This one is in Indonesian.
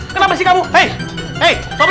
kenapa sih kamu